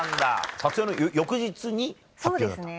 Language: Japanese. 撮影の翌日に発表だったの？